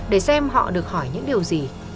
để xem họ được hỏi những điều gì